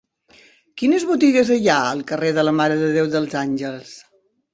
Quines botigues hi ha al carrer de la Mare de Déu dels Àngels?